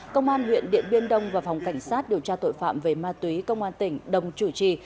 công an huyện điện biên đông và phòng cảnh sát điều tra tội phạm về ma túy công an tỉnh đồng chủ trì